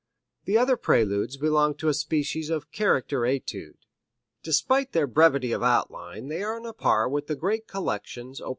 The other Preludes belong to a species of character etude. Despite their brevity of outline they are on a par with the great collections op.